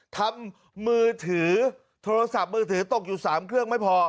ทำมือถือโทรศัพท์มือถือตกอยู่๓เครื่องไม่พอ